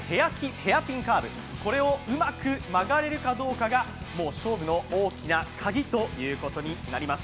ヘアピンカーブ、これをうまく曲がれるかどうかがもう勝負の大きなカギということになります。